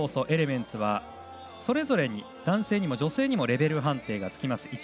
エレメンツはそれぞれに男性にも女性にもレベル判定がつきます。